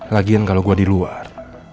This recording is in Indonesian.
lagian kalau gue di luar